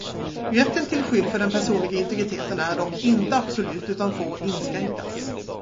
Rätten till skydd för den personliga integriteten är dock inte absolut utan får inskränkas.